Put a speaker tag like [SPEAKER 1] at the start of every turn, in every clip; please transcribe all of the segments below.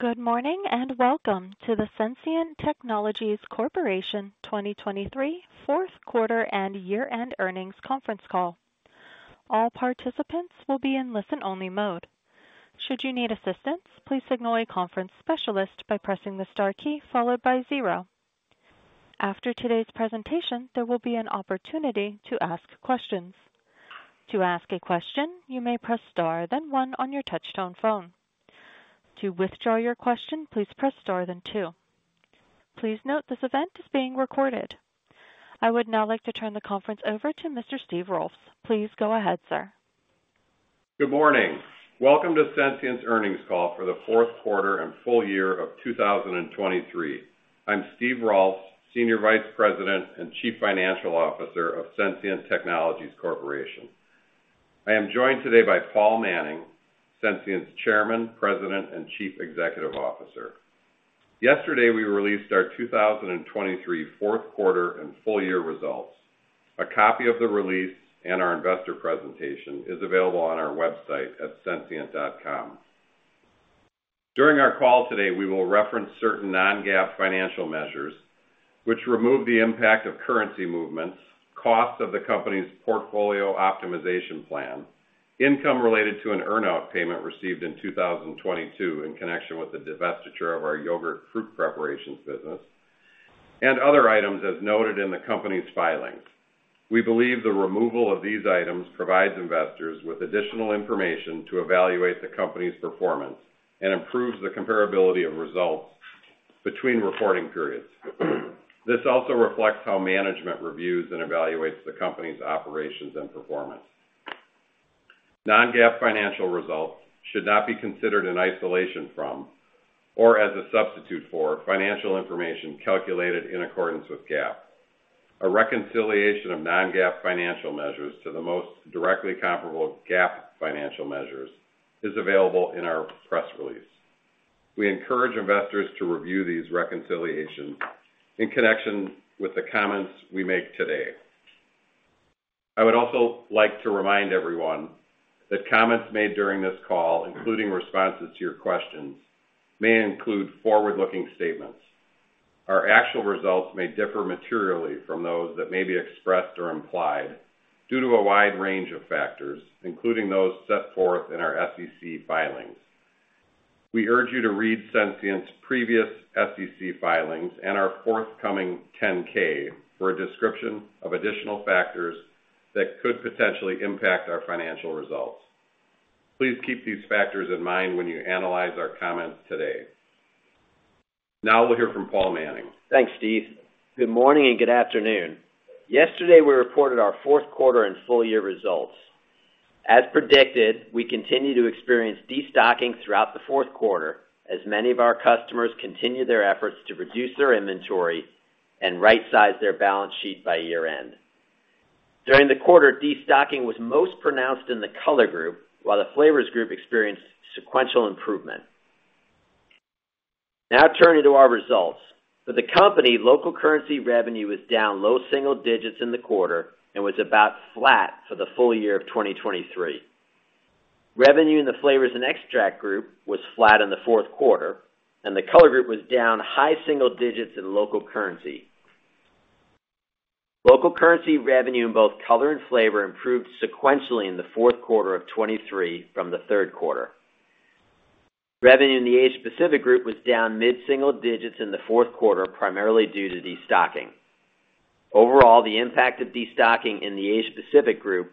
[SPEAKER 1] Good morning and welcome to the Sensient Technologies Corporation 2023 Fourth Quarter and Year-end Earnings Conference Call. All participants will be in listen-only mode. Should you need assistance, please signal a conference specialist by pressing the star key followed by zero. After today's presentation, there will be an opportunity to ask questions. To ask a question, you may press star then one on your touch-tone phone. To withdraw your question, please press star then two. Please note this event is being recorded. I would now like to turn the conference over to Mr. Steve Rolfs. Please go ahead, sir.
[SPEAKER 2] Good morning. Welcome to Sensient's Earnings Call for the Fourth Quarter and Full Year of 2023. I'm Steve Rolfs, Senior Vice President and Chief Financial Officer of Sensient Technologies Corporation. I am joined today by Paul Manning, Sensient's Chairman, President, and Chief Executive Officer. Yesterday we released our 2023 fourth quarter and full year results. A copy of the release and our investor presentation is available on our website at sensient.com. During our call today, we will reference certain non-GAAP financial measures, which remove the impact of currency movements, costs of the company's portfolio optimization plan, income related to an earnout payment received in 2022 in connection with the divestiture of our yogurt fruit preparations business, and other items as noted in the company's filings. We believe the removal of these items provides investors with additional information to evaluate the company's performance and improves the comparability of results between reporting periods. This also reflects how management reviews and evaluates the company's operations and performance. Non-GAAP financial results should not be considered in isolation from or as a substitute for financial information calculated in accordance with GAAP. A reconciliation of non-GAAP financial measures to the most directly comparable GAAP financial measures is available in our press release. We encourage investors to review these reconciliations in connection with the comments we make today. I would also like to remind everyone that comments made during this call, including responses to your questions, may include forward-looking statements. Our actual results may differ materially from those that may be expressed or implied due to a wide range of factors, including those set forth in our SEC filings. We urge you to read Sensient's previous SEC filings and our forthcoming 10-K for a description of additional factors that could potentially impact our financial results. Please keep these factors in mind when you analyze our comments today. Now we'll hear from Paul Manning.
[SPEAKER 3] Thanks, Steve. Good morning and good afternoon. Yesterday we reported our fourth quarter and full year results. As predicted, we continue to experience destocking throughout the fourth quarter as many of our customers continue their efforts to reduce their inventory and right-size their balance sheet by year-end. During the quarter, destocking was most pronounced in the color group, while the flavors group experienced sequential improvement. Now turning to our results. For the company, local currency revenue was down low single digits in the quarter and was about flat for the full year of 2023. Revenue in the flavors and extract group was flat in the fourth quarter, and the color group was down high single digits in local currency. Local currency revenue in both color and flavor improved sequentially in the fourth quarter of 2023 from the third quarter. Revenue in the Asia-Pacific group was down mid-single digits in the fourth quarter, primarily due to destocking. Overall, the impact of destocking in the Asia-Pacific group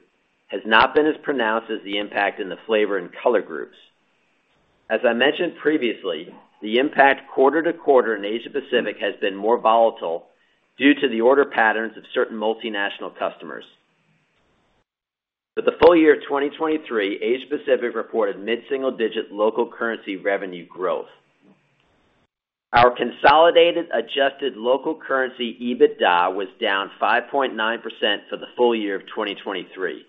[SPEAKER 3] has not been as pronounced as the impact in the flavor and color groups. As I mentioned previously, the impact quarter-to-quarter in Asia-Pacific has been more volatile due to the order patterns of certain multinational customers. For the full year of 2023, Asia-Pacific reported mid-single digit local currency revenue growth. Our consolidated Adjusted Local Currency EBITDA was down 5.9% for the full year of 2023.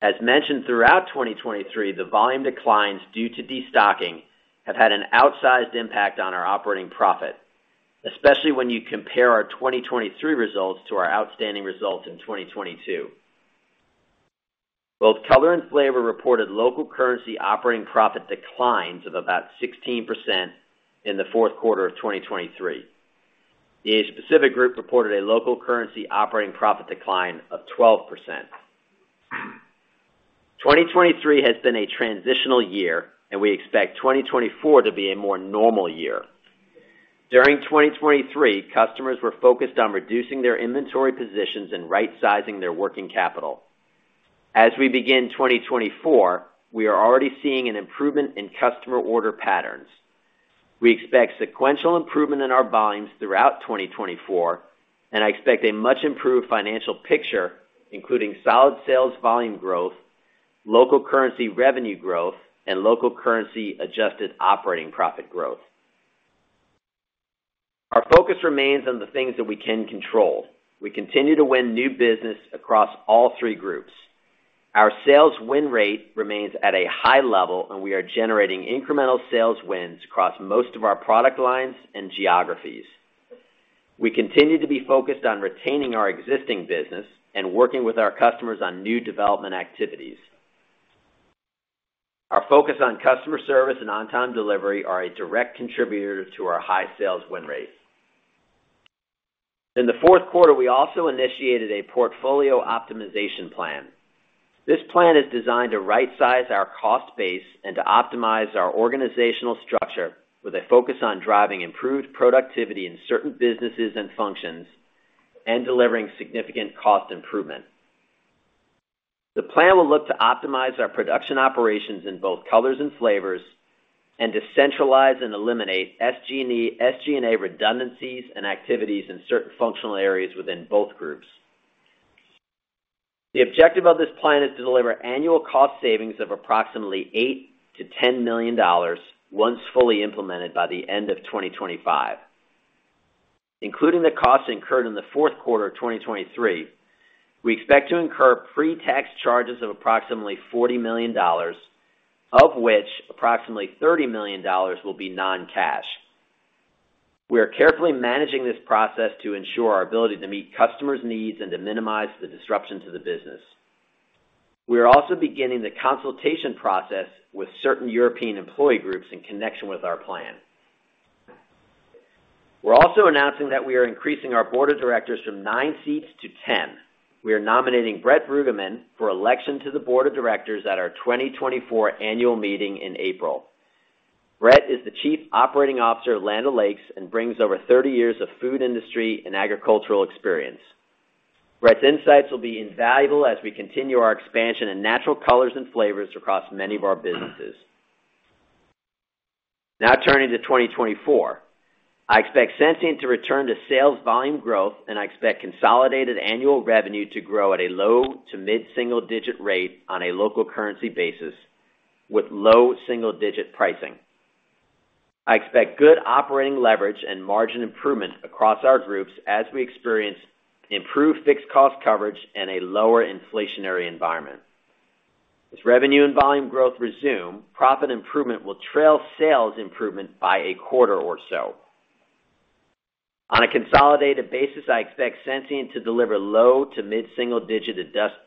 [SPEAKER 3] As mentioned throughout 2023, the volume declines due to destocking have had an outsized impact on our operating profit, especially when you compare our 2023 results to our outstanding results in 2022. Both color and flavor reported local currency operating profit declines of about 16% in the fourth quarter of 2023. The Asia-Pacific group reported a local currency operating profit decline of 12%. 2023 has been a transitional year, and we expect 2024 to be a more normal year. During 2023, customers were focused on reducing their inventory positions and right-sizing their working capital. As we begin 2024, we are already seeing an improvement in customer order patterns. We expect sequential improvement in our volumes throughout 2024, and I expect a much-improved financial picture, including solid sales volume growth, local currency revenue growth, and local currency adjusted operating profit growth. Our focus remains on the things that we can control. We continue to win new business across all three groups. Our sales win rate remains at a high level, and we are generating incremental sales wins across most of our product lines and geographies. We continue to be focused on retaining our existing business and working with our customers on new development activities. Our focus on customer service and on-time delivery are a direct contributor to our high sales win rate. In the fourth quarter, we also initiated a portfolio optimization plan. This plan is designed to right-size our cost base and to optimize our organizational structure with a focus on driving improved productivity in certain businesses and functions, and delivering significant cost improvement. The plan will look to optimize our production operations in both colors and flavors, and to centralize and eliminate SG&A redundancies and activities in certain functional areas within both groups. The objective of this plan is to deliver annual cost savings of approximately $8-$10 million once fully implemented by the end of 2025. Including the costs incurred in the fourth quarter of 2023, we expect to incur pre-tax charges of approximately $40 million, of which approximately $30 million will be non-cash. We are carefully managing this process to ensure our ability to meet customers' needs and to minimize the disruption to the business. We are also beginning the consultation process with certain European employee groups in connection with our plan. We're also announcing that we are increasing our board of directors from nine seats to 10. We are nominating Brett Bruggeman for election to the board of directors at our 2024 annual meeting in April. Brett is the Chief Operating Officer of Land O'Lakes and brings over 30 years of food industry and agricultural experience. Brett's insights will be invaluable as we continue our expansion in natural colors and flavors across many of our businesses. Now turning to 2024. I expect Sensient to return to sales volume growth, and I expect consolidated annual revenue to grow at a low- to mid-single-digit rate on a local currency basis, with low single-digit pricing. I expect good operating leverage and margin improvement across our groups as we experience improved fixed cost coverage and a lower inflationary environment. As revenue and volume growth resume, profit improvement will trail sales improvement by a quarter or so. On a consolidated basis, I expect Sensient to deliver low- to mid-single-digit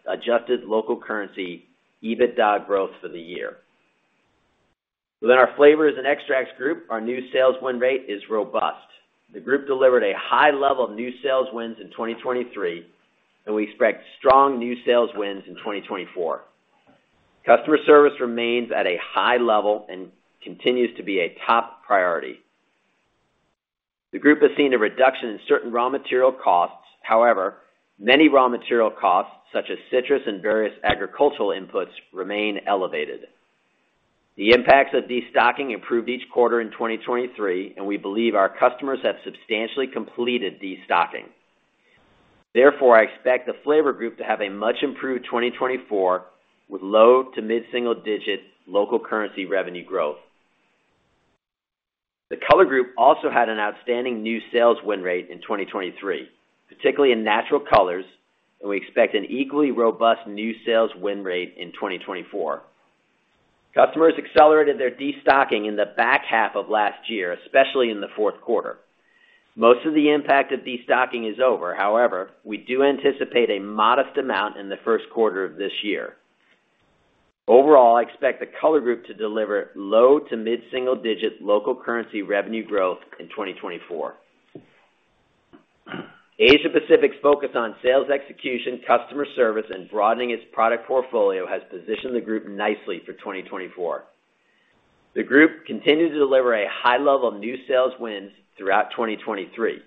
[SPEAKER 3] adjusted local currency EBITDA growth for the year. Within our flavors and extracts group, our new sales win rate is robust. The group delivered a high level of new sales wins in 2023, and we expect strong new sales wins in 2024. Customer service remains at a high level and continues to be a top priority. The group has seen a reduction in certain raw material costs. However, many raw material costs, such as citrus and various agricultural inputs, remain elevated. The impacts of destocking improved each quarter in 2023, and we believe our customers have substantially completed destocking. Therefore, I expect the flavor group to have a much-improved 2024 with low- to mid-single-digit local currency revenue growth. The color group also had an outstanding new sales win rate in 2023, particularly in natural colors, and we expect an equally robust new sales win rate in 2024. Customers accelerated their destocking in the back half of last year, especially in the fourth quarter. Most of the impact of destocking is over. However, we do anticipate a modest amount in the first quarter of this year. Overall, I expect the color group to deliver low- to mid-single-digit local currency revenue growth in 2024. Asia-Pacific's focus on sales execution, customer service, and broadening its product portfolio has positioned the group nicely for 2024. The group continues to deliver a high level of new sales wins throughout 2023.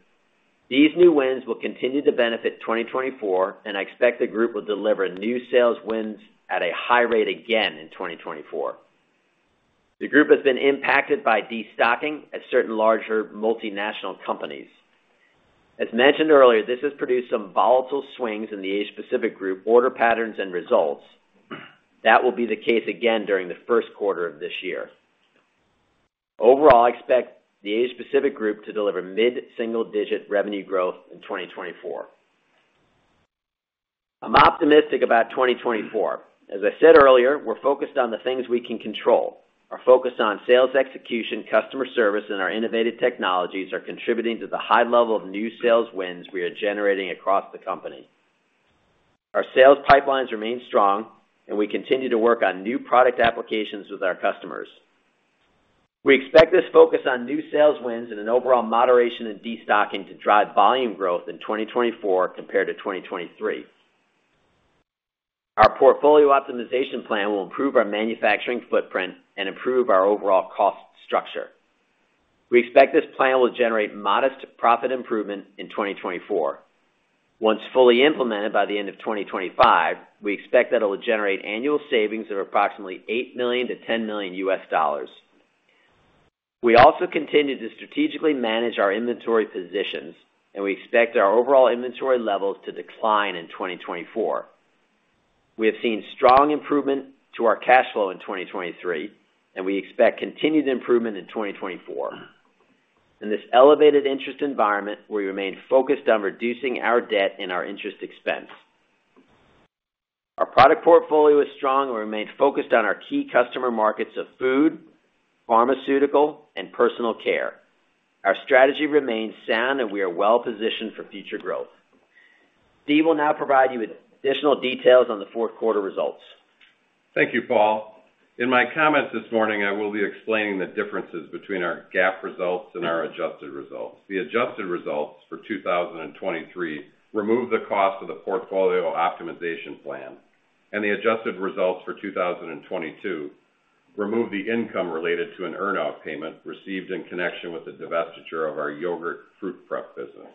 [SPEAKER 3] These new wins will continue to benefit 2024, and I expect the group will deliver new sales wins at a high rate again in 2024. The group has been impacted by destocking at certain larger multinational companies. As mentioned earlier, this has produced some volatile swings in the Asia-Pacific group order patterns and results. That will be the case again during the first quarter of this year. Overall, I expect the Asia-Pacific group to deliver mid-single digit revenue growth in 2024. I'm optimistic about 2024. As I said earlier, we're focused on the things we can control. Our focus on sales execution, customer service, and our innovative technologies are contributing to the high level of new sales wins we are generating across the company. Our sales pipelines remain strong, and we continue to work on new product applications with our customers. We expect this focus on new sales wins and an overall moderation in destocking to drive volume growth in 2024 compared to 2023. Our portfolio optimization plan will improve our manufacturing footprint and improve our overall cost structure. We expect this plan will generate modest profit improvement in 2024. Once fully implemented by the end of 2025, we expect that it will generate annual savings of approximately $8 million-$10 million. We also continue to strategically manage our inventory positions, and we expect our overall inventory levels to decline in 2024. We have seen strong improvement to our cash flow in 2023, and we expect continued improvement in 2024. In this elevated interest environment, we remain focused on reducing our debt and our interest expense. Our product portfolio is strong, and we remain focused on our key customer markets of food, pharmaceutical, and personal care. Our strategy remains sound, and we are well-positioned for future growth. Steve will now provide you with additional details on the fourth quarter results.
[SPEAKER 2] Thank you, Paul. In my comments this morning, I will be explaining the differences between our GAAP results and our adjusted results. The adjusted results for 2023 remove the cost of the portfolio optimization plan, and the adjusted results for 2022 remove the income related to an earnout payment received in connection with the divestiture of our yogurt fruit prep business.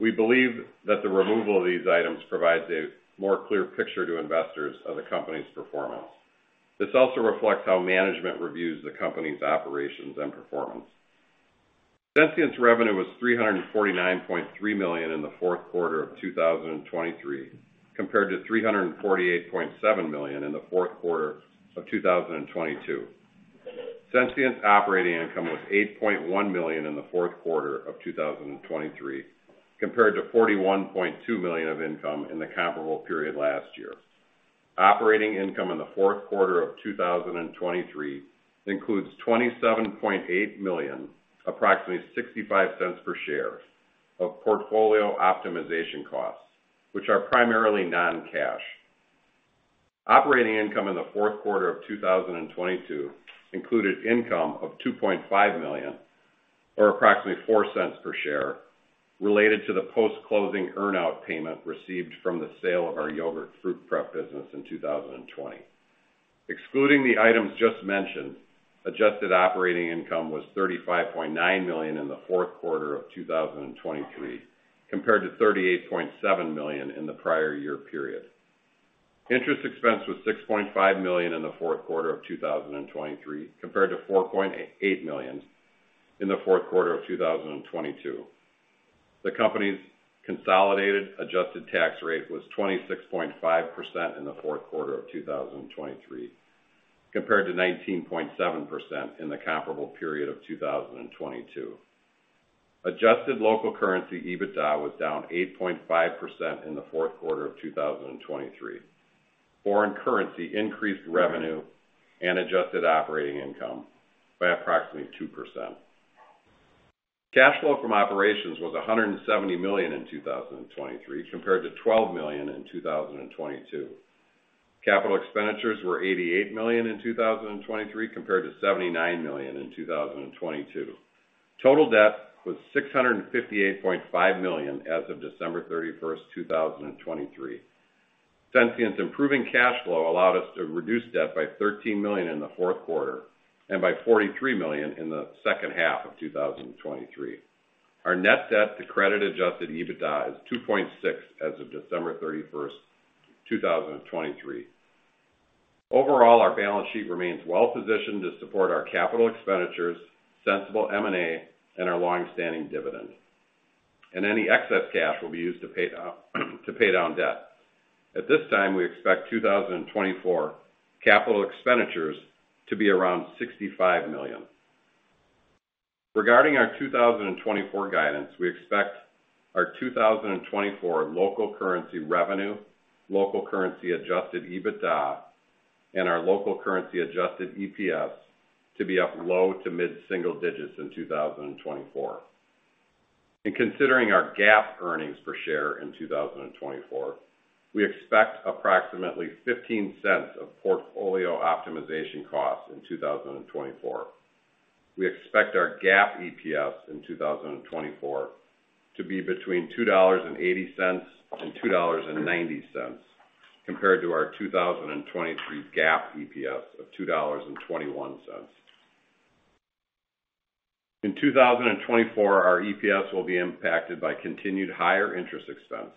[SPEAKER 2] We believe that the removal of these items provides a more clear picture to investors of the company's performance. This also reflects how management reviews the company's operations and performance. Sensient's revenue was $349.3 million in the fourth quarter of 2023, compared to $348.7 million in the fourth quarter of 2022. Sensient's operating income was $8.1 million in the fourth quarter of 2023, compared to $41.2 million of income in the comparable period last year. Operating income in the fourth quarter of 2023 includes $27.8 million, approximately $0.65 per share, of portfolio optimization costs, which are primarily non-cash. Operating income in the fourth quarter of 2022 included income of $2.5 million, or approximately $0.04 per share, related to the post-closing earnout payment received from the sale of our yogurt fruit prep business in 2020. Excluding the items just mentioned, adjusted operating income was $35.9 million in the fourth quarter of 2023, compared to $38.7 million in the prior year period. Interest expense was $6.5 million in the fourth quarter of 2023, compared to $4.8 million in the fourth quarter of 2022. The company's consolidated adjusted tax rate was 26.5% in the fourth quarter of 2023, compared to 19.7% in the comparable period of 2022. Adjusted local currency EBITDA was down 8.5% in the fourth quarter of 2023. Foreign currency increased revenue and adjusted operating income by approximately 2%. Cash flow from operations was $170 million in 2023, compared to $12 million in 2022. Capital expenditures were $88 million in 2023, compared to $79 million in 2022. Total debt was $658.5 million as of December 31st, 2023. Sensient's improving cash flow allowed us to reduce debt by $13 million in the fourth quarter and by $43 million in the second half of 2023. Our net debt to credit-adjusted EBITDA is 2.6 as of December 31st, 2023. Overall, our balance sheet remains well-positioned to support our capital expenditures, sensible M&A, and our longstanding dividend. Any excess cash will be used to pay down debt. At this time, we expect 2024 capital expenditures to be around $65 million. Regarding our 2024 guidance, we expect our 2024 local currency revenue, local currency Adjusted EBITDA, and our local currency adjusted EPS to be up low to mid-single digits in 2024. In considering our GAAP earnings per share in 2024, we expect approximately $0.15 of portfolio optimization costs in 2024. We expect our GAAP EPS in 2024 to be between $2.80-$2.90, compared to our 2023 GAAP EPS of $2.21. In 2024, our EPS will be impacted by continued higher interest expense.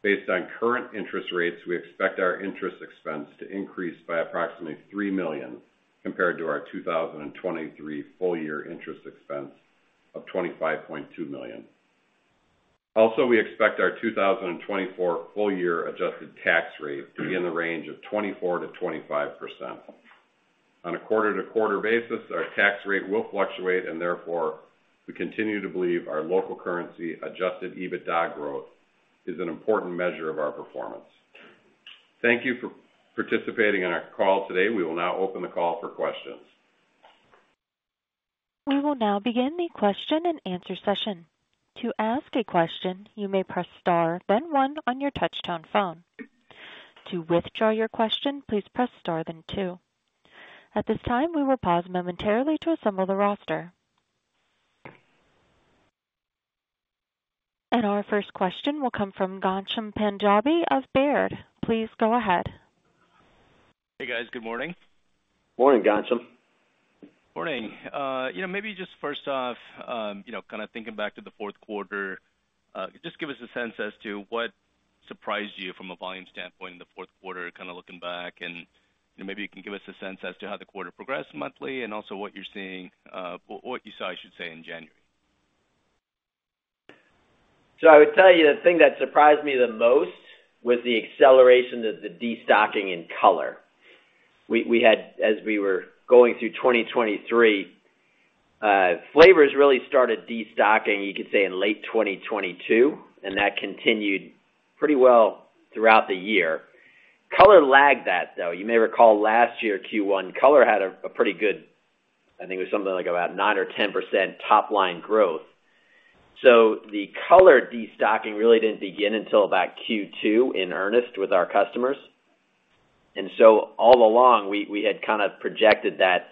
[SPEAKER 2] Based on current interest rates, we expect our interest expense to increase by approximately $3 million, compared to our 2023 full-year interest expense of $25.2 million. Also, we expect our 2024 full-year adjusted tax rate to be in the range of 24%-25%. On a quarter-to-quarter basis, our tax rate will fluctuate, and therefore, we continue to believe our local currency adjusted EBITDA growth is an important measure of our performance. Thank you for participating in our call today. We will now open the call for questions.
[SPEAKER 1] We will now begin the question and answer session. To ask a question, you may press star, then one, on your touch-tone phone. To withdraw your question, please press star, then two. At this time, we will pause momentarily to assemble the roster. Our first question will come from Ghansham Panjabi of Baird. Please go ahead.
[SPEAKER 4] Hey, guys. Good morning.
[SPEAKER 3] Morning, Ghansham.
[SPEAKER 4] Morning. Maybe just first off, kind of thinking back to the fourth quarter, just give us a sense as to what surprised you from a volume standpoint in the fourth quarter, kind of looking back. Maybe you can give us a sense as to how the quarter progressed monthly and also what you're seeing, what you saw, I should say, in January.
[SPEAKER 3] So I would tell you the thing that surprised me the most was the acceleration of the destocking in color. As we were going through 2023, flavors really started destocking, you could say, in late 2022, and that continued pretty well throughout the year. Color lagged that, though. You may recall last year, Q1, color had a pretty good I think it was something like about 9% or 10% top-line growth. So, the color destocking really didn't begin until about Q2, in earnest, with our customers. And so all along, we had kind of projected that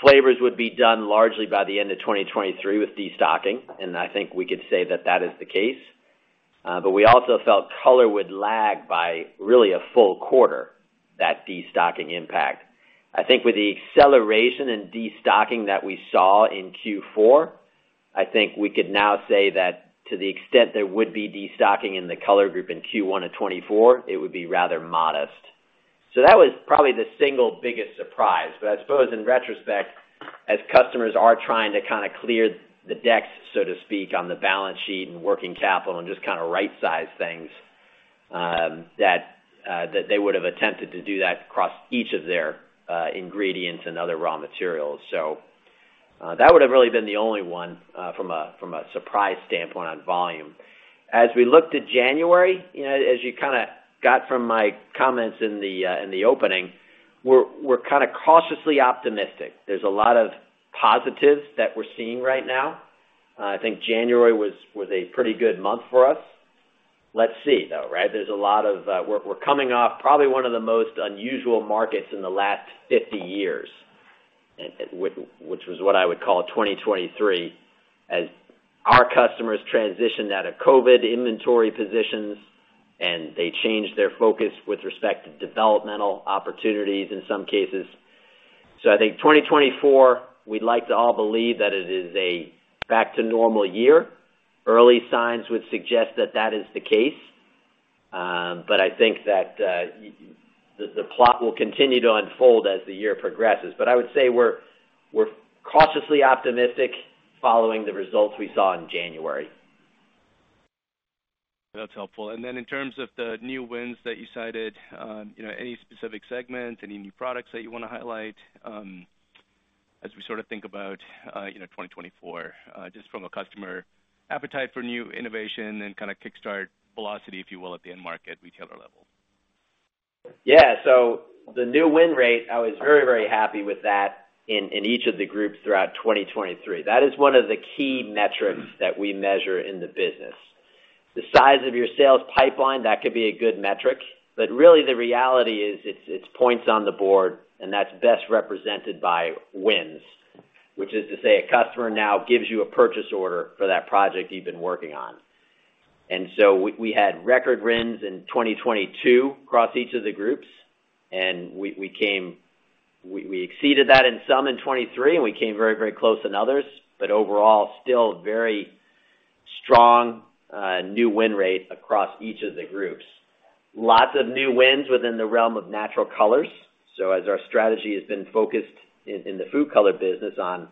[SPEAKER 3] flavors would be done largely by the end of 2023 with destocking, and I think we could say that that is the case. But we also felt color would lag by really a full quarter, that destocking impact. I think with the acceleration in destocking that we saw in Q4, I think we could now say that to the extent there would be destocking in the color group in Q1 of 2024, it would be rather modest. So that was probably the single biggest surprise. But I suppose, in retrospect, as customers are trying to kind of clear the decks, so to speak, on the balance sheet and working capital and just kind of right-size things, that they would have attempted to do that across each of their ingredients and other raw materials. So that would have really been the only one from a surprise standpoint on volume. As we looked at January, as you kind of got from my comments in the opening, we're kind of cautiously optimistic. There's a lot of positives that we're seeing right now. I think January was a pretty good month for us. Let's see, though, right? There's a lot of. We're coming off probably one of the most unusual markets in the last 50 years, which was what I would call 2023, as our customers transitioned out of COVID inventory positions, and they changed their focus with respect to developmental opportunities, in some cases. So I think 2024, we'd like to all believe that it is a back-to-normal year. Early signs would suggest that that is the case. But I think that the plot will continue to unfold as the year progresses. But I would say we're cautiously optimistic following the results we saw in January.
[SPEAKER 4] That's helpful. And then in terms of the new wins that you cited, any specific segments, any new products that you want to highlight as we sort of think about 2024, just from a customer appetite for new innovation and kind of kickstart velocity, if you will, at the end market, retailer level?
[SPEAKER 3] Yeah. So the new win rate, I was very, very happy with that in each of the groups throughout 2023. That is one of the key metrics that we measure in the business. The size of your sales pipeline, that could be a good metric. But really, the reality is its points on the board, and that's best represented by wins, which is to say a customer now gives you a purchase order for that project you've been working on. And so, we had record wins in 2022 across each of the groups, and we exceeded that in some in 2023, and we came very, very close in others. But overall, still very strong new win rate across each of the groups. Lots of new wins within the realm of natural colors. So as our strategy has been focused in the food color business on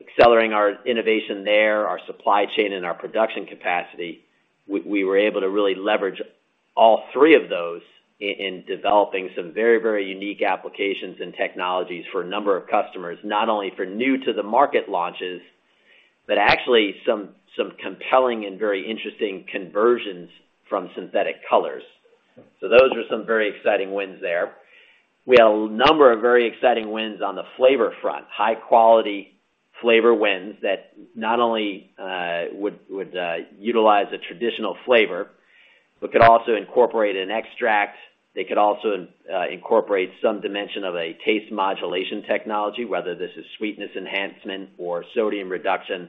[SPEAKER 3] accelerating our innovation there, our supply chain, and our production capacity, we were able to really leverage all three of those in developing some very, very unique applications and technologies for a number of customers, not only for new-to-the-market launches, but actually some compelling and very interesting conversions from synthetic colors. So those were some very exciting wins there. We had a number of very exciting wins on the flavor front, high-quality flavor wins that not only would utilize a traditional flavor but could also incorporate an extract. They could also incorporate some dimension of a taste modulation technology, whether this is sweetness enhancement or sodium reduction.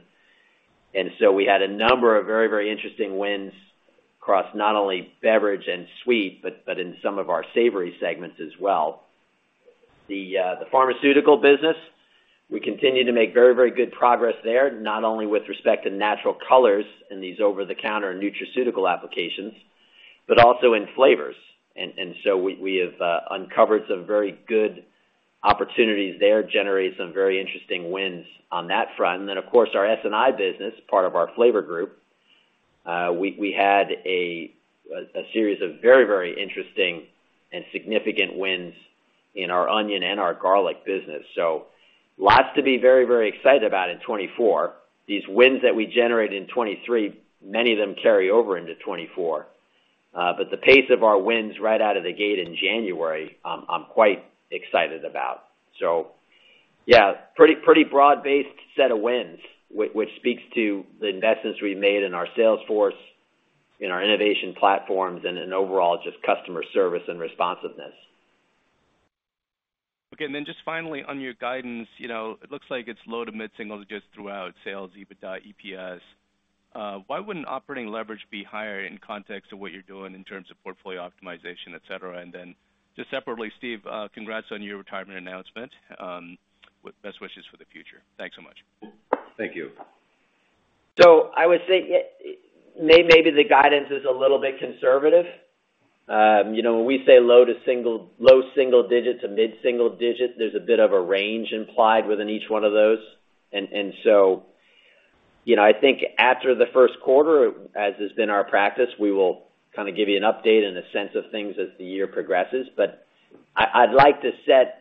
[SPEAKER 3] And so we had a number of very, very interesting wins across not only beverage and sweet but in some of our savory segments as well. The pharmaceutical business, we continue to make very, very good progress there, not only with respect to natural colors and these over-the-counter nutraceutical applications but also in flavors. And so, we have uncovered some very good opportunities there, generated some very interesting wins on that front. And then, of course, our SNI business, part of our flavor group, we had a series of very, very interesting and significant wins in our onion and our garlic business. So lots to be very, very excited about in 2024. These wins that we generated in 2023, many of them carry over into 2024. But the pace of our wins right out of the gate in January, I'm quite excited about. So yeah, pretty broad-based set of wins, which speaks to the investments we've made in our sales force, in our innovation platforms, and overall just customer service and responsiveness.
[SPEAKER 4] Okay. And then just finally, on your guidance, it looks like it's low to mid-singles just throughout, sales, EBITDA, EPS. Why wouldn't operating leverage be higher in context of what you're doing in terms of portfolio optimization, etc.? And then just separately, Steve, congrats on your retirement announcement. Best wishes for the future. Thanks so much.
[SPEAKER 2] Thank you.
[SPEAKER 3] So I would say maybe the guidance is a little bit conservative. When we say low single-digit to mid-single-digit, there's a bit of a range implied within each one of those. And so I think after the first quarter, as has been our practice, we will kind of give you an update and a sense of things as the year progresses. But I'd like to set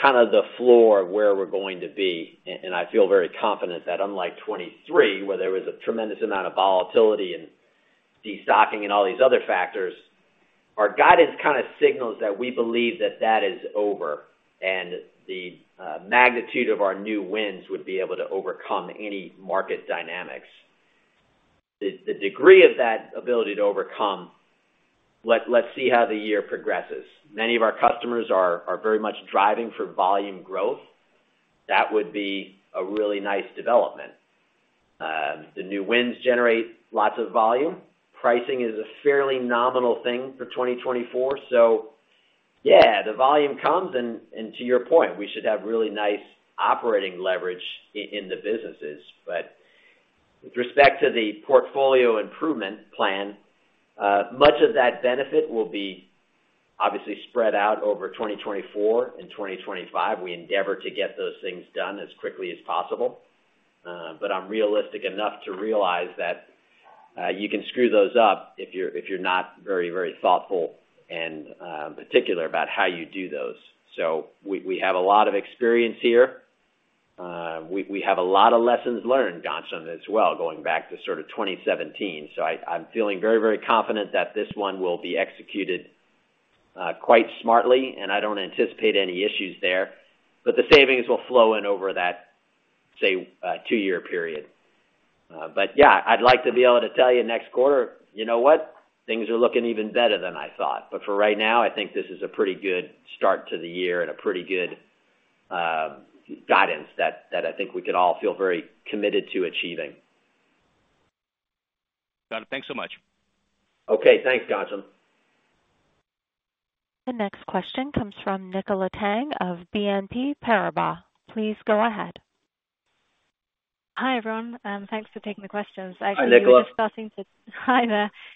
[SPEAKER 3] kind of the floor of where we're going to be. And I feel very confident that unlike 2023, where there was a tremendous amount of volatility and destocking and all these other factors, our guidance kind of signals that we believe that that is over and the magnitude of our new wins would be able to overcome any market dynamics. The degree of that ability to overcome, let's see how the year progresses. Many of our customers are very much driving for volume growth. That would be a really nice development. The new wins generate lots of volume. Pricing is a fairly nominal thing for 2024. So yeah, the volume comes. And to your point, we should have really nice operating leverage in the businesses. But with respect to the portfolio improvement plan, much of that benefit will be obviously spread out over 2024 and 2025. We endeavor to get those things done as quickly as possible. But I'm realistic enough to realize that you can screw those up if you're not very, very thoughtful and particular about how you do those. So we have a lot of experience here. We have a lot of lessons learned, Ghansham, as well, going back to sort of 2017. So I'm feeling very, very confident that this one will be executed quite smartly, and I don't anticipate any issues there. But the savings will flow in over that, say, two-year period. But yeah, I'd like to be able to tell you next quarter, "You know what? Things are looking even better than I thought." But for right now, I think this is a pretty good start to the year and a pretty good guidance that I think we could all feel very committed to achieving.
[SPEAKER 4] Got it. Thanks so much.
[SPEAKER 3] Okay. Thanks, Ghansham.
[SPEAKER 1] The next question comes from Nicola Tang of BNP Paribas. Please go ahead.
[SPEAKER 5] Hi, everyone. Thanks for taking the questions. Actually,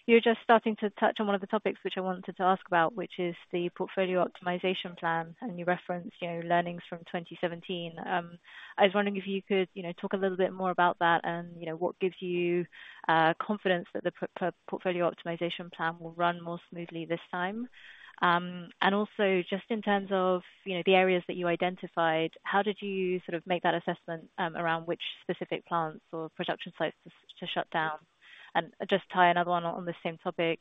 [SPEAKER 5] you're just starting to touch on one of the topics which I wanted to ask about, which is the Portfolio Optimization Plan. And you referenced learnings from 2017. I was wondering if you could talk a little bit more about that and what gives you confidence that the Portfolio Optimization Plan will run more smoothly this time. And also, just in terms of the areas that you identified, how did you sort of make that assessment around which specific plants or production sites to shut down? And just tie another one on the same topic,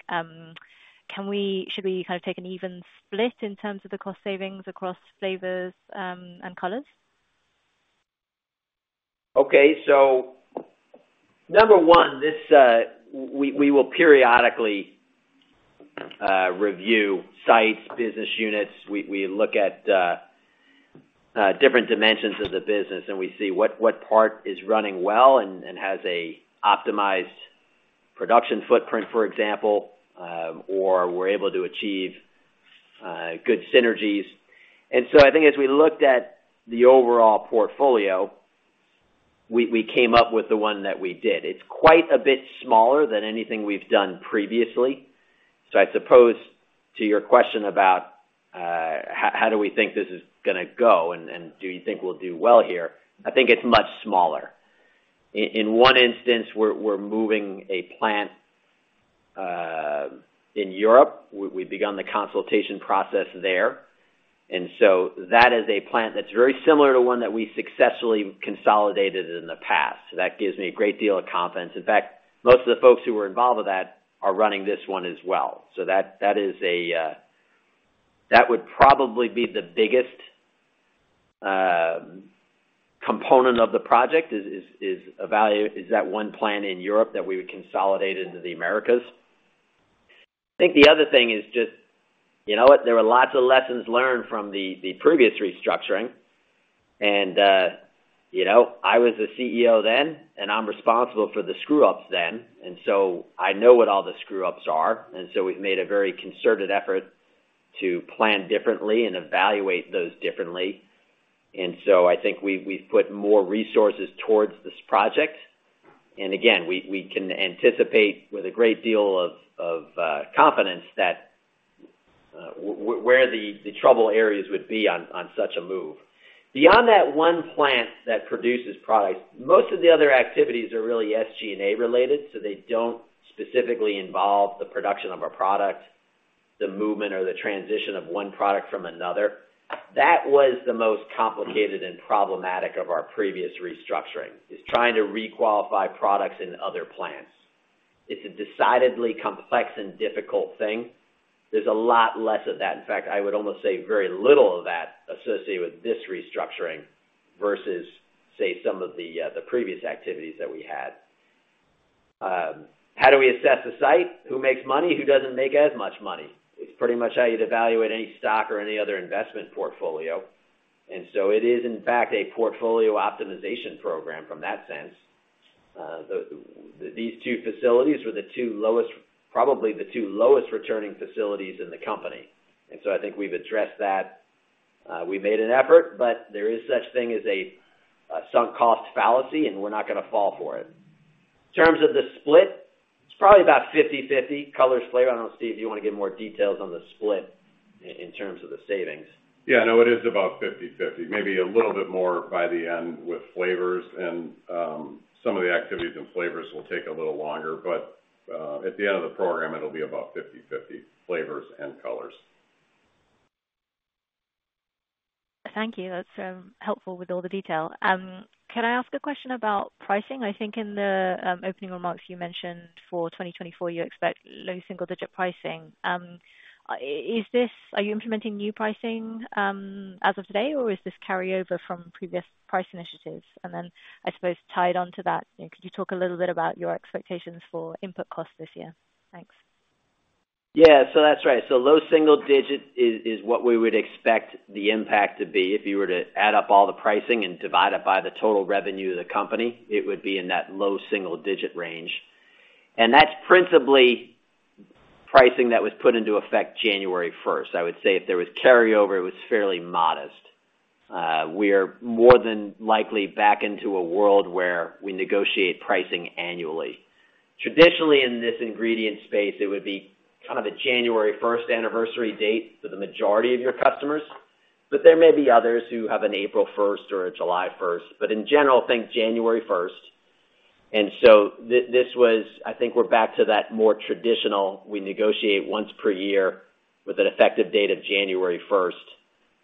[SPEAKER 5] should we kind of take an even split in terms of the cost savings across flavors and colors?
[SPEAKER 3] Okay. So number one, we will periodically review sites, business units. We look at different dimensions of the business, and we see what part is running well and has an optimized production footprint, for example, or we're able to achieve good synergies. And so I think as we looked at the overall portfolio, we came up with the one that we did. It's quite a bit smaller than anything we've done previously. So I suppose, to your question about how do we think this is going to go, and do you think we'll do well here, I think it's much smaller. In one instance, we're moving a plant in Europe. We've begun the consultation process there. And so that is a plant that's very similar to one that we successfully consolidated in the past. That gives me a great deal of confidence. In fact, most of the folks who were involved with that are running this one as well. So that would probably be the biggest component of the project, is that one plant in Europe that we would consolidate into the Americas. I think the other thing is just, you know what? There were lots of lessons learned from the previous restructuring. And I was the CEO then, and I'm responsible for the screw-ups then. And so I know what all the screw-ups are. And so we've made a very concerted effort to plan differently and evaluate those differently. And so I think we've put more resources towards this project. And again, we can anticipate with a great deal of confidence where the trouble areas would be on such a move. Beyond that one plant that produces products, most of the other activities are really SG&A-related, so they don't specifically involve the production of a product, the movement, or the transition of one product from another. That was the most complicated and problematic of our previous restructuring: is trying to requalify products in other plants. It's a decidedly complex and difficult thing. There's a lot less of that. In fact, I would almost say very little of that associated with this restructuring versus, say, some of the previous activities that we had. How do we assess the site? Who makes money? Who doesn't make as much money? It's pretty much how you'd evaluate any stock or any other investment portfolio. And so it is, in fact, a portfolio optimization program from that sense. These two facilities were probably the two lowest-returning facilities in the company. I think we've addressed that. We made an effort, but there is such thing as a sunk cost fallacy, and we're not going to fall for it. In terms of the split, it's probably about 50/50, colors, flavor. I don't know, Steve, do you want to give more details on the split in terms of the savings?
[SPEAKER 2] Yeah. No, it is about 50/50, maybe a little bit more by the end with flavors. And some of the activities in flavors will take a little longer. But at the end of the program, it'll be about 50/50, flavors and colors.
[SPEAKER 5] Thank you. That's helpful with all the detail. Can I ask a question about pricing? I think in the opening remarks, you mentioned for 2024, you expect low single-digit pricing. Are you implementing new pricing as of today, or is this carryover from previous price initiatives? And then, I suppose, tied onto that, could you talk a little bit about your expectations for input costs this year? Thanks.
[SPEAKER 3] Yeah. So that's right. So low single-digit is what we would expect the impact to be. If you were to add up all the pricing and divide it by the total revenue of the company, it would be in that low single-digit range. And that's principally pricing that was put into effect January 1st. I would say if there was carryover, it was fairly modest. We are more than likely back into a world where we negotiate pricing annually. Traditionally, in this ingredient space, it would be kind of a January 1st anniversary date for the majority of your customers. But there may be others who have an April 1st or a July 1st. But in general, think January 1st. And so I think we're back to that more traditional, we negotiate once per year with an effective date of January 1st.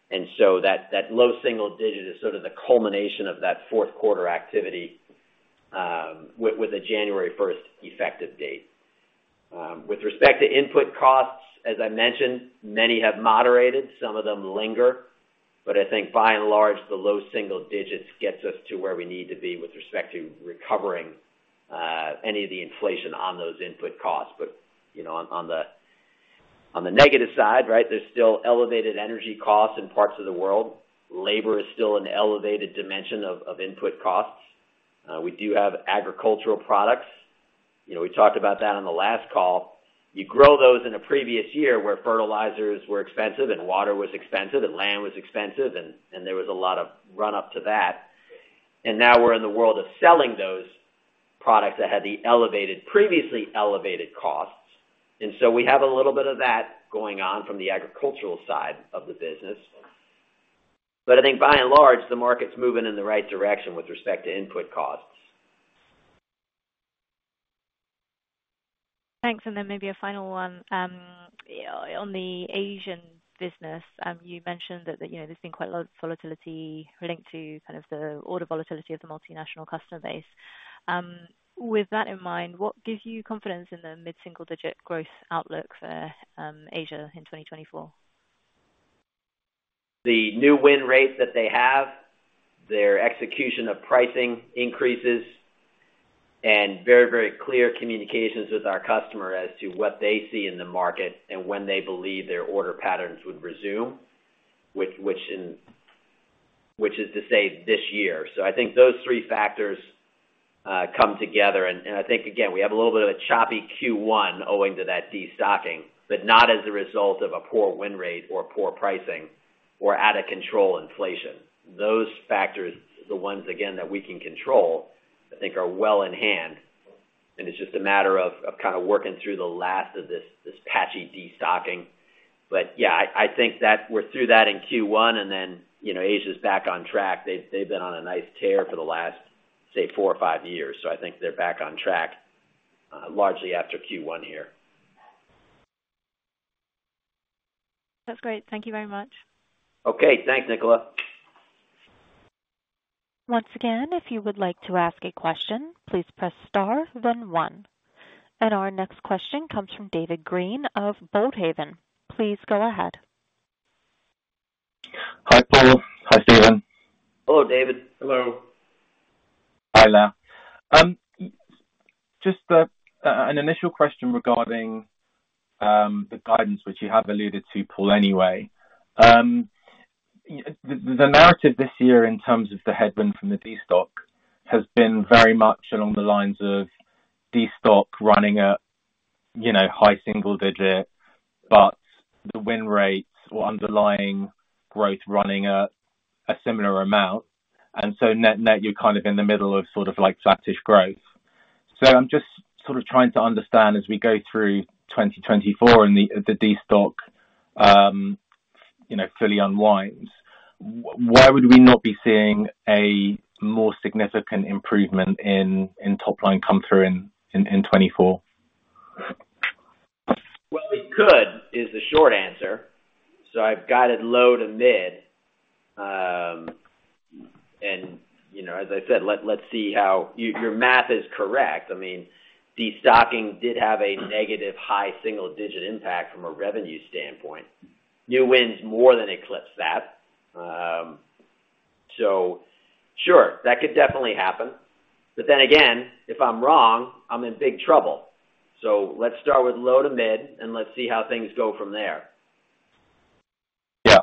[SPEAKER 3] And so that low single-digit is sort of the culmination of that fourth quarter activity with a January 1st effective date. With respect to input costs, as I mentioned, many have moderated. Some of them linger. But I think, by and large, the low single-digits gets us to where we need to be with respect to recovering any of the inflation on those input costs. But on the negative side, right, there's still elevated energy costs in parts of the world. Labor is still an elevated dimension of input costs. We do have agricultural products. We talked about that on the last call. You grow those in a previous year where fertilizers were expensive and water was expensive and land was expensive, and there was a lot of run-up to that. And now we're in the world of selling those products that had the previously elevated costs. And so we have a little bit of that going on from the agricultural side of the business. But I think, by and large, the market's moving in the right direction with respect to input costs.
[SPEAKER 5] Thanks. And then maybe a final one. On the Asian business, you mentioned that there's been quite a lot of volatility linked to kind of the order volatility of the multinational customer base. With that in mind, what gives you confidence in the mid-single-digit growth outlook for Asia in 2024?
[SPEAKER 3] The new win rate that they have, their execution of pricing increases, and very, very clear communications with our customer as to what they see in the market and when they believe their order patterns would resume, which is to say this year. So I think those three factors come together. And I think, again, we have a little bit of a choppy Q1 owing to that destocking, but not as a result of a poor win rate or poor pricing or out-of-control inflation. Those factors, the ones, again, that we can control, I think are well in hand. And it's just a matter of kind of working through the last of this patchy destocking. But yeah, I think we're through that in Q1, and then Asia's back on track. They've been on a nice tear for the last, say, four or five years. I think they're back on track largely after Q1 here.
[SPEAKER 5] That's great. Thank you very much.
[SPEAKER 3] Okay. Thanks, Nicola.
[SPEAKER 1] Once again, if you would like to ask a question, please press star, then one. Our next question comes from David Green of Boldhaven. Please go ahead.
[SPEAKER 6] Hi, Paul. Hi, Steven.
[SPEAKER 3] Hello, David.
[SPEAKER 2] Hello.
[SPEAKER 6] Hi there. Just an initial question regarding the guidance, which you have alluded to, Paul, anyway. The narrative this year in terms of the headwind from the destock has been very much along the lines of destock running at high single-digit, but the win rates or underlying growth running at a similar amount. And so net-net, you're kind of in the middle of sort of flat-ish growth. So, I'm just sort of trying to understand, as we go through 2024 and the destock fully unwinds, why would we not be seeing a more significant improvement in top-line come through in 2024?
[SPEAKER 3] Well, we could is the short answer. So, I've got it low to mid. And as I said, let's see how your math is correct. I mean, destocking did have a negative high single-digit impact from a revenue standpoint. New wins more than eclipse that. So sure, that could definitely happen. But then again, if I'm wrong, I'm in big trouble. So, let's start with low to mid, and let's see how things go from there.
[SPEAKER 6] Yeah.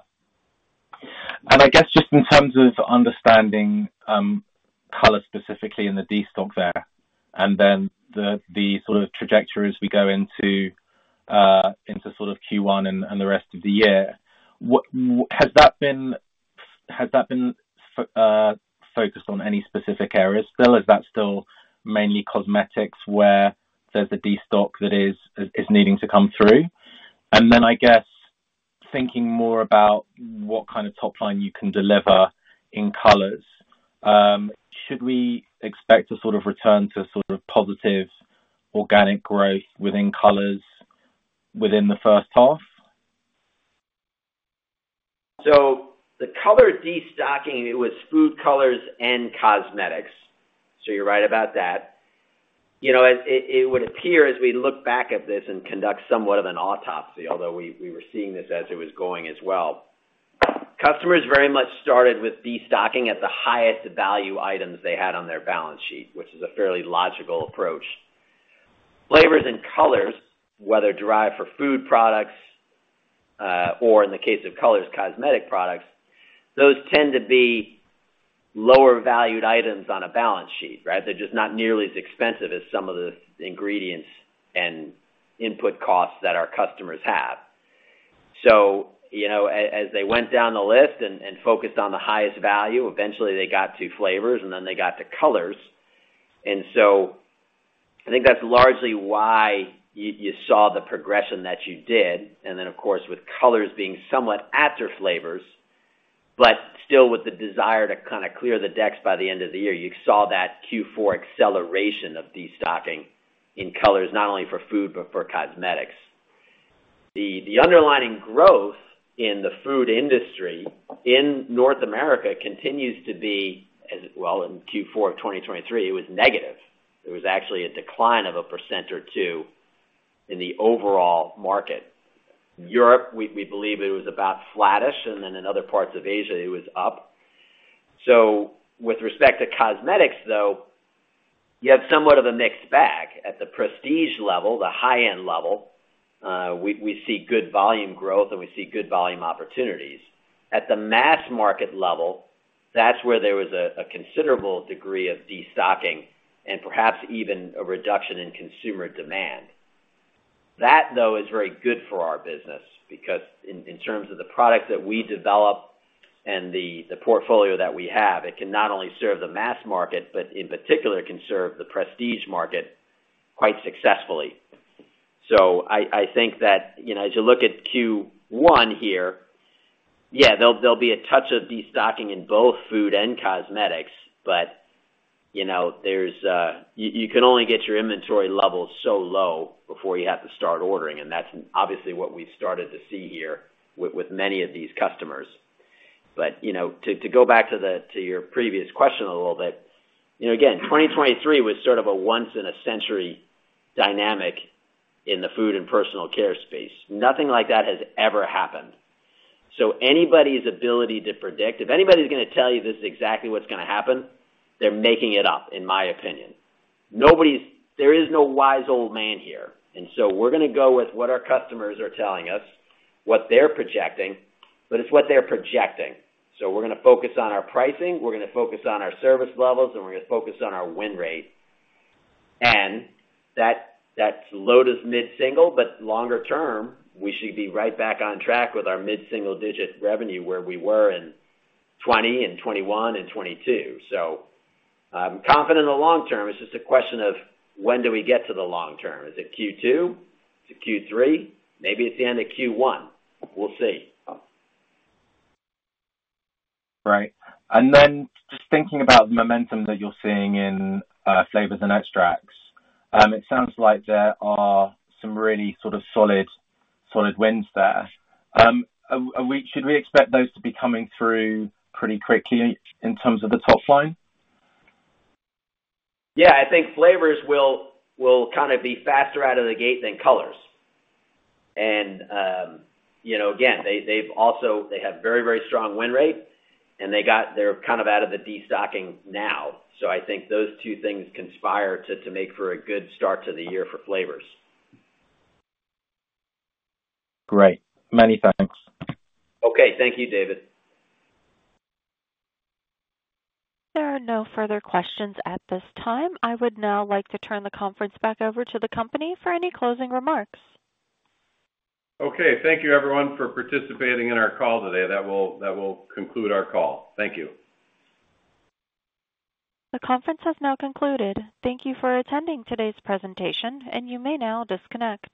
[SPEAKER 6] And I guess just in terms of understanding color specifically in the destock there and then the sort of trajectory as we go into sort of Q1 and the rest of the year, has that been focused on any specific areas still? Is that still mainly cosmetics where there's a destock that is needing to come through? And then I guess thinking more about what kind of topline you can deliver in colors, should we expect a sort of return to sort of positive organic growth within colors within the first half?
[SPEAKER 3] So the color destocking, it was food colors and cosmetics. So, you're right about that. It would appear, as we look back at this and conduct somewhat of an autopsy, although we were seeing this as it was going as well, customers very much started with destocking at the highest value items they had on their balance sheet, which is a fairly logical approach. Flavors and colors, whether derived from food products or, in the case of colors, cosmetic products, those tend to be lower-valued items on a balance sheet, right? They're just not nearly as expensive as some of the ingredients and input costs that our customers have. So as they went down the list and focused on the highest value, eventually, they got to flavors, and then they got to colors. And so, I think that's largely why you saw the progression that you did. And then, of course, with colors being somewhat after flavors, but still with the desire to kind of clear the decks by the end of the year, you saw that Q4 acceleration of destocking in colors, not only for food but for cosmetics. The underlying growth in the food industry in North America continues to be well, in Q4 of 2023, it was negative. There was actually a decline of 1% or 2% in the overall market. Europe, we believe it was about flattish, and then in other parts of Asia, it was up. So with respect to cosmetics, though, you have somewhat of a mixed bag. At the prestige level, the high-end level, we see good volume growth, and we see good volume opportunities. At the mass market level, that's where there was a considerable degree of destocking and perhaps even a reduction in consumer demand. That, though, is very good for our business because, in terms of the product that we develop and the portfolio that we have, it can not only serve the mass market, but in particular, can serve the prestige market quite successfully. So, I think that as you look at Q1 here, yeah, there'll be a touch of destocking in both food and cosmetics, but you can only get your inventory levels so low before you have to start ordering. And that's obviously what we've started to see here with many of these customers. But to go back to your previous question a little bit, again, 2023 was sort of a once-in-a-century dynamic in the food and personal care space. Nothing like that has ever happened. So, anybody's ability to predict if anybody's going to tell you this is exactly what's going to happen, they're making it up, in my opinion. There is no wise old man here. And so, we're going to go with what our customers are telling us, what they're projecting, but it's what they're projecting. So, we're going to focus on our pricing. We're going to focus on our service levels, and we're going to focus on our win rate. And that's low to mid-single, but longer term, we should be right back on track with our mid-single-digit revenue where we were in 2020 and 2021 and 2022. So, I'm confident in the long term. It's just a question of when do we get to the long term? Is it Q2? Is it Q3? Maybe it's the end of Q1. We'll see.
[SPEAKER 6] Right. And then just thinking about the momentum that you're seeing in flavors and extracts, it sounds like there are some really sort of solid wins there. Should we expect those to be coming through pretty quickly in terms of the top-line?
[SPEAKER 3] Yeah. I think flavors will kind of be faster out of the gate than colors. And again, they have a very, very strong win rate, and they're kind of out of the destocking now. So, I think those two things conspire to make for a good start to the year for flavors.
[SPEAKER 6] Great. Many thanks.
[SPEAKER 3] Okay. Thank you, David.
[SPEAKER 1] There are no further questions at this time. I would now like to turn the conference back over to the company for any closing remarks.
[SPEAKER 2] Okay. Thank you, everyone, for participating in our call today. That will conclude our call. Thank you.
[SPEAKER 1] The conference has now concluded. Thank you for attending today's presentation, and you may now disconnect.